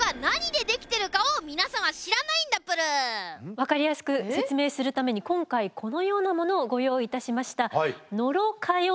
分かりやすく説明するために今回このようなものをご用意いたしました。